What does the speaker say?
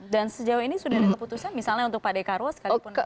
dan sejauh ini sudah ada keputusan misalnya untuk pak dekarwo sekalipun